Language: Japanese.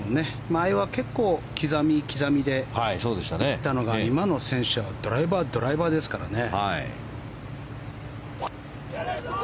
前は結構、刻み刻みで行ったのが今の選手はドライバードライバーですからね。